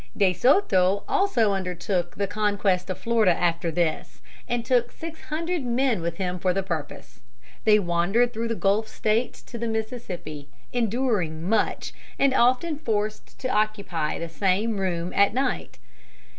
De Soto also undertook the conquest of Florida after this, and took six hundred men with him for the purpose. They wandered through the Gulf States to the Mississippi, enduring much, and often forced to occupy the same room at night.